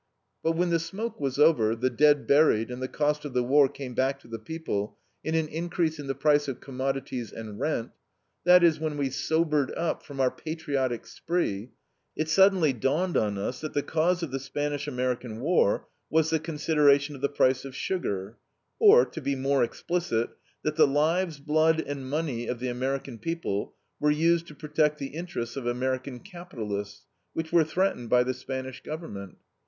But when the smoke was over, the dead buried, and the cost of the war came back to the people in an increase in the price of commodities and rent that is, when we sobered up from our patriotic spree it suddenly dawned on us that the cause of the Spanish American war was the consideration of the price of sugar; or, to be more explicit, that the lives, blood, and money of the American people were used to protect the interests of American capitalists, which were threatened by the Spanish government.